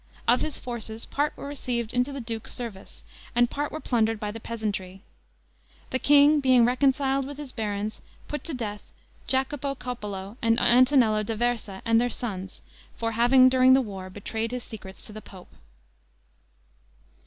Of his forces, part were received into the duke's service, and part were plundered by the peasantry. The king, being reconciled with his barons, put to death Jacopo Coppola and Antonello d'Aversa and their sons, for having, during the war, betrayed his secrets to the pope.